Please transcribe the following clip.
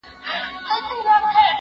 زه اوږده وخت ښوونځی ته ځم وم!!